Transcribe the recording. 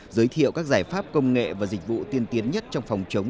giới thiệu các giải pháp công nghệ và dịch vụ tiên tiến nhất trong phòng chống